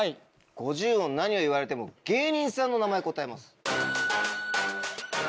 「５０音何を言われても芸人さんの名前答えます」。